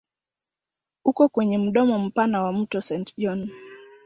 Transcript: Uko kwenye mdomo mpana wa mto Saint John.